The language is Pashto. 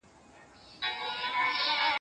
چي له وېري راوتای نه سي له کوره